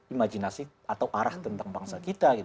imajinasi atau arah tentang bangsa kita